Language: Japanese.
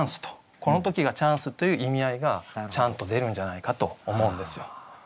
この時がチャンスという意味合いがちゃんと出るんじゃないかと思うんですよ。